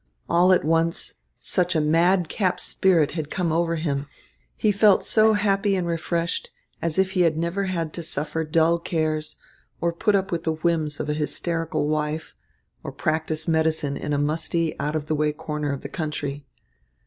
All at once such a madcap spirit had come over him, he felt so happy and refreshed; as if he had never had to suffer dull cares, or put up with the whims of a hysterical wife, or practise medicine in a musty, out of the way corner of the country.